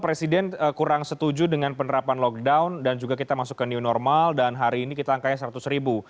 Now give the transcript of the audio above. presiden kurang setuju dengan penerapan lockdown dan juga kita masuk ke new normal dan hari ini kita angkanya seratus ribu